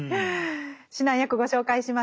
指南役ご紹介しましょう。